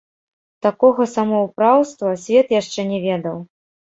Такога самаўпраўства свет яшчэ не ведаў.